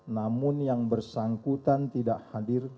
namun yang bersangkutan tidak hadir